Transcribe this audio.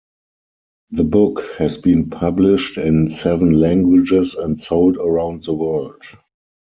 The book has been published in seven languages and sold around the world.